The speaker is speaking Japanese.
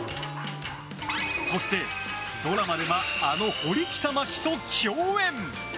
そして、ドラマではあの堀北真希と共演。